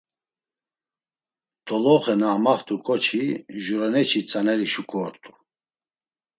Doloxe na amaxt̆u ǩoçi jureçi tzaneri şuǩu ort̆u.